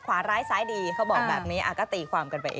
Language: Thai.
ขวาร้ายซ้ายดีเขาบอกแบบนี้ก็ตีความกันไปเอง